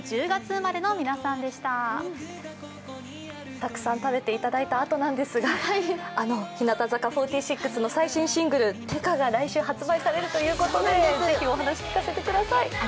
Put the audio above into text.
たくさん食べていただいたあとなんですが、日向坂４６の最新シングル「ってか」が来週発売されるということでぜひお話聞かせてください。